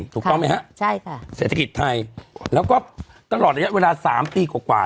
ถูกต้องไหมฮะใช่ค่ะเศรษฐกิจไทยแล้วก็ตลอดระยะเวลา๓ปีกว่า